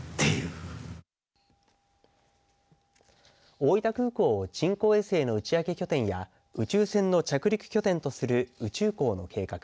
大分空港を人工衛星の打ち上げ拠点や宇宙船の着陸拠点とする宇宙港の計画。